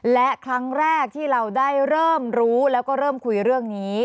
และครั้งแรกที่เราได้เริ่มรู้แล้วก็เริ่มคุยเรื่องนี้